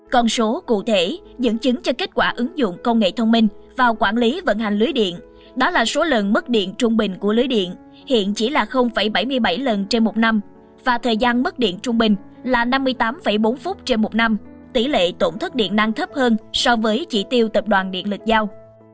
còn số cụ thể dẫn chứng cho kết quả ứng dụng công nghệ thông minh vào quản lý vận hành lưới điện đó là số lần mất điện trung bình của lưới điện hiện chỉ là bảy mươi bảy lần trên một năm và thời gian mất điện trung bình là năm mươi tám bốn phút trên một năm tỷ lệ tổn thất điện năng thấp hơn so với chỉ tiêu tập đoàn điện lực giao